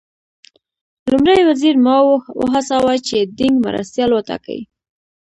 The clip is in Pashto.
لومړي وزیر ماوو وهڅاوه چې دینګ مرستیال وټاکي.